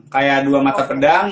kayak dua mata pedang